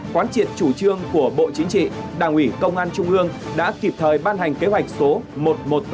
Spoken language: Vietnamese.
quán triệt chủ trương của bộ chính trị đảng ủy công an trung ương đã kịp thời ban hành kế hoạch số một trăm một mươi tám